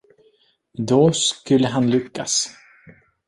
Då skulle han lyckas.